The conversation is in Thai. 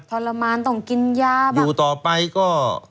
ทรมานต้องกินยาอยู่ต่อไปก็